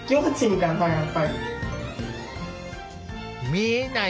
見えない